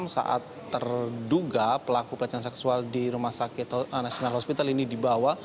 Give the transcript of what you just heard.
saat terduga pelaku pelecehan seksual di rumah sakit national hospital ini dibawa